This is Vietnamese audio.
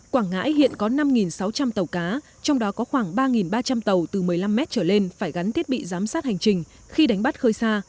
quảng ngãi hiện có năm sáu trăm linh tàu cá trong đó có khoảng ba ba trăm linh tàu từ một mươi năm mét trở lên phải gắn thiết bị giám sát hành trình khi đánh bắt khơi xa